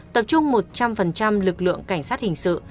tập trung một trăm linh lực lượng cảnh sát hình sự